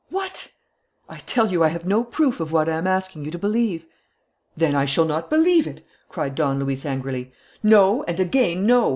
"What!" "I tell you, I have no proof of what I am asking you to believe." "Then I shall not believe it!" cried Don Luis angrily. "No, and again no!